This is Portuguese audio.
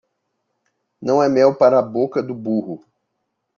Não é mel para a boca do burro.